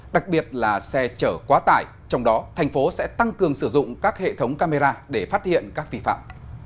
đặc biệt là xe chở quá tải trong đó thành phố sẽ tăng cường sử dụng các hệ thống camera để phát hiện các vi phạm